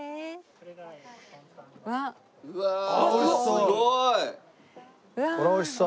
これはおいしそう。